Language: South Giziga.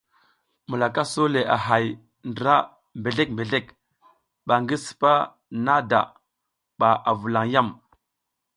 Milak a so le a hay ndra bezlek bezlek ba ngi sipa nada mba a vulan yam.